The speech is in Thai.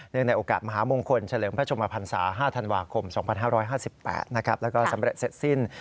ในโอกาสมหามงคลเฉลิมพระชมพันศา๕ธันวาคม๒๕๕๘แล้วก็สำเร็จเสร็จสิ้น